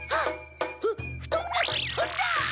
ふふとんがふっとんだ！